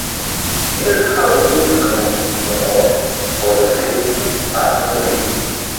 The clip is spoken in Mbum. Ɓil haw ye lu ɓa nokk hɔrɔ se hum baah guri.